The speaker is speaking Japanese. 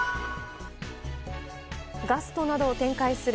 ガストなどを展開する